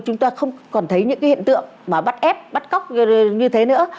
chúng ta không còn thấy những cái hiện tượng mà bắt ép bắt cóc như thế nữa